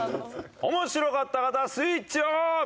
面白かった方スイッチオン！